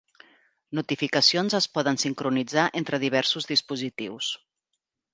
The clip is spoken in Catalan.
Notificacions es poden sincronitzar entre diversos dispositius.